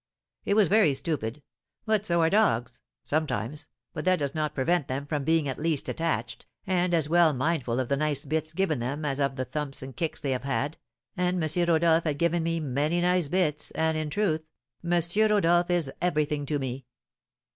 It was very stupid; but so are dogs, sometimes, but that does not prevent them from being at least attached, and as well mindful of the nice bits given them as of the thumps and kicks they have had, and M. Rodolph had given me many nice bits, and, in truth, M. Rodolph is everything to me.